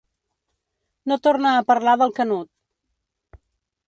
No torna a parlar del Canut.